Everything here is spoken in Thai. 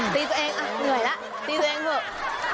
ตีตัวเองเหนื่อยแล้วตีตัวเองเถอะ